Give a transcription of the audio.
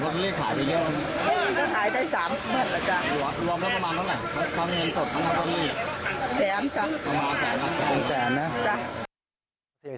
สี่ส่วนแสนนะ